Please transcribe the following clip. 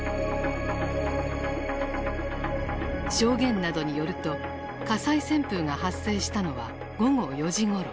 証言などによると火災旋風が発生したのは午後４時ごろ。